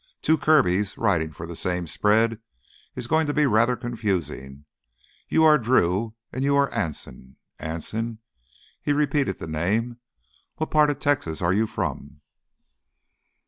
"Two Kirbys riding for the same spread is going to be rather confusing. You are Drew, and you are Anson—Anson—" He repeated the name. "What part of Texas are you from?"